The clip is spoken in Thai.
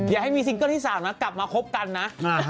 อย่าให้มีซิงเกิลที่๓นะกลับมาคบกันนะ